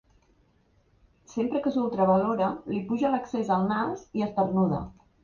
Sempre que s'ultravalora li puja l'excés al nas i esternuda.